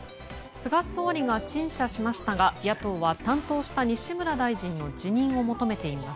菅総理が陳謝しましたが野党は担当した西村大臣の辞任を求めています。